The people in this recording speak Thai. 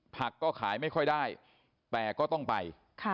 ก็ขายไม่ค่อยได้แต่ก็ต้องไป